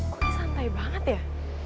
kok santai banget ya